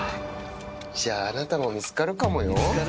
じゃあ、あなたも見つかるかもよ。